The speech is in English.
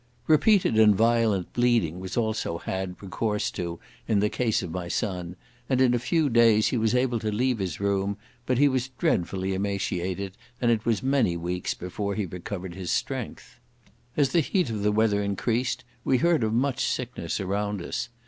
Repeated and violent bleeding was also had recourse to in the case of my son, and in a few days he was able to leave his room, but he was dreadfully emaciated, and it was many weeks before he recovered his strength. As the heat of the weather increased we heard of much sickness around us.